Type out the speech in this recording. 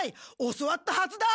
教わったはずだ！